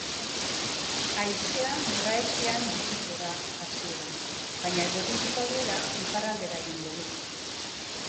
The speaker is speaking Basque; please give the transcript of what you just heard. Haizea nora ezean ibiliko da hasieran, baina eguerditik aurrera iparraldera egingo du.